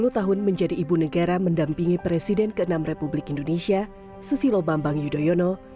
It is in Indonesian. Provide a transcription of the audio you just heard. sepuluh tahun menjadi ibu negara mendampingi presiden ke enam republik indonesia susilo bambang yudhoyono